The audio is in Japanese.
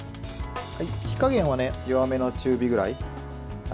火加減は弱めの中火ぐらい。